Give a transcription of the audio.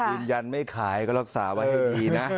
ยืนยันไม่ขายก็รักษาไว้ให้ดีนะ